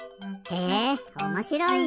へえおもしろい！